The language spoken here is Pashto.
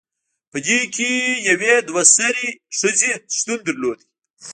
پدې کې یوې دوه سرې ښځې شتون درلود